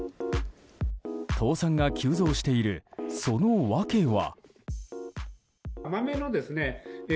倒産が急増しているその訳は？